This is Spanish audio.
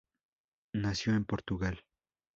Nació en Portugal.